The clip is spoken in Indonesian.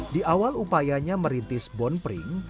di awal upayanya merintis bon pring